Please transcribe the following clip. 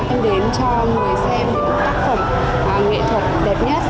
em đến cho người xem những tác phẩm nghệ thuật đẹp nhất